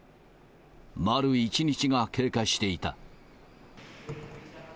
丸１日が経過していた。